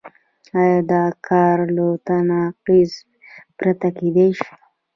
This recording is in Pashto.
آیا دا کار له تناقض پرته کېدای شي؟